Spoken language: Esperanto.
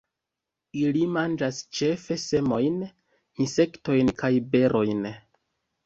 Ili manĝas ĉefe semojn, insektojn kaj berojn.